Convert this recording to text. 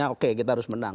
oke kita harus menang